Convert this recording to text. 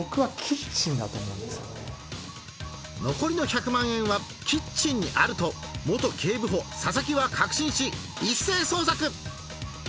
残りの１００万円はキッチンにあると元警部補・佐々木は確信し一斉捜索